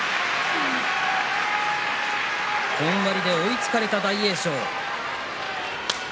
本割で追いつかれた大栄翔。